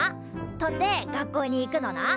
飛んで学校に行くのな。